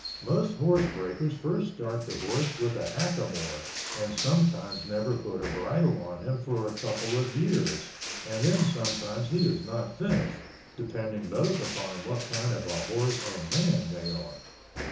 Most horse breakers first start the horse with a hackamore and sometimes never put a bridle on him for a couple of years and then sometimes he is not finished, depending both on what kind of a horse and man they are.